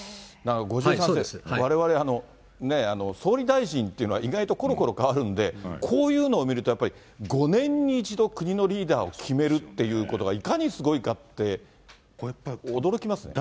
５３世、なんかわれわれ、総理大臣っていうのは意外ところころかわるんで、こういうのを見ると、やっぱり５年に１度、国のリーダーを決めるっていうことが、いかにすごいかって、驚きますね。